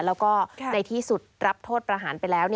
แล้วก็ในที่สุดรับโทษประหารไปแล้ว